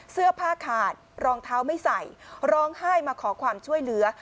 เสื้อผ้าขาดรองเท้าไม่ใส่ร้องไห้มาขอความช่วยเหลือ